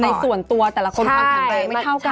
ในส่วนตัวแต่ละคนความแข็งแรงไม่เท่ากัน